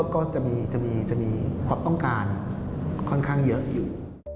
ก็จะมีความต้องการค่อนข้างเยอะอยู่